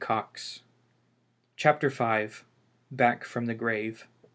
o: CHAPTEK Y, BACK FROM THE GRAVE.